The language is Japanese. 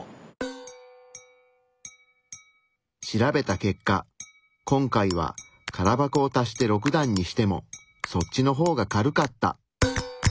調べた結果今回は空箱を足して６段にしてもそっちの方が軽かった。